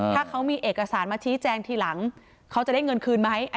ถ้าเขามีเอกสารมาชี้แจงทีหลังเขาจะได้เงินคืนไหม